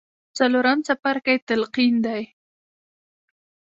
څلورم څپرکی تلقين دی.